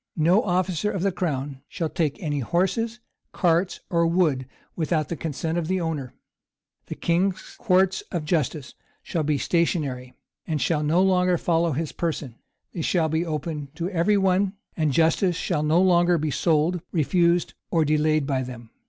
No officer of the crown shall take any horses, carts, or wood, without the consent of the owner. The king's courts of justice shall be stationary, and shall no longer follow his person: they shall be open to every one; and justice shall no longer be sold, refused, or delayed by them.